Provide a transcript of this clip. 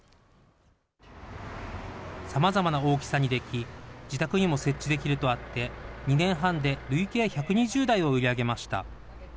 さまざまな大きさにでき、自宅にも設置できるとあって、２年半で累計１２０台を売り上げました。